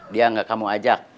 dia nggak kamu ajak